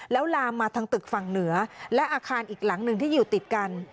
แล้วลามมาทางตึกฝั่งเหนือและอาคารอีกหลังหนึ่งที่อยู่ติดกัน